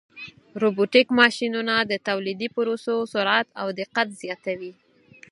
روبوټیک ماشینونه د تولیدي پروسو سرعت او دقت زیاتوي.